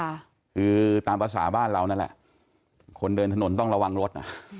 คือตามภาษาบ้านเรานั่นแหละคนเดินถนนต้องระวังรถอ่ะ